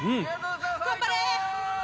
頑張れ！